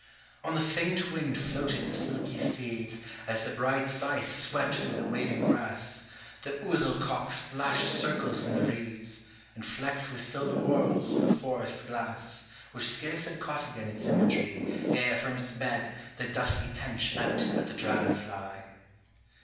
On the faint wind floated the silky seeds As the bright scythe swept through the waving grass, The ouzel cock splashed circles in the reeds And flecked with silver whorls the forest's glass, Which scarce had caught again its imagery Ere from its bed the dusky tench leapt at the dragon fly.